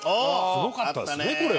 すごかったですねこれ。